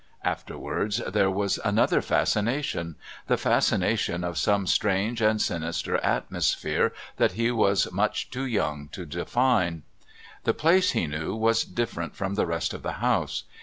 Afterwards, there was another fascination the fascination of some strange and sinister atmosphere that he was much too young to define. The place, he knew, was different from the rest of the house.